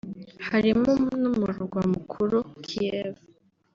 harimo n’Umurwa Mukuru Kiev